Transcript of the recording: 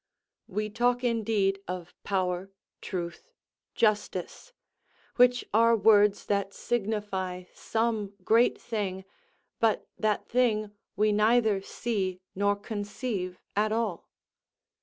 We talk indeed of power, truth, justice; which are words that signify some great thing; but that thing we neither see nor conceive at all.